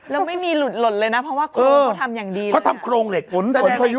แล้วไม่มีหลุดหลดเลยนะเพราะว่าโครงเขาทำอย่างดีเลยนะ